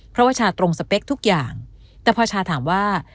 เพราะว่าชาตรงสเปคทุกอย่างแต่พอชาถามว่า